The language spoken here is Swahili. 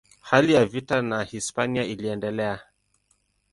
Hali ya vita na Hispania iliendelea.